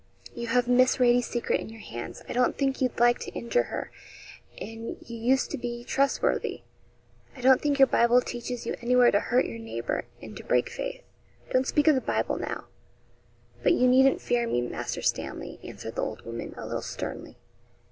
You have Miss Radie's secret in your hands, I don't think you'd like to injure her, and you used to be trustworthy. I don't think your Bible teaches you anywhere to hurt your neighbour and to break faith.' 'Don't speak of the Bible now; but you needn't fear me, Master Stanley,' answered the old woman, a little sternly.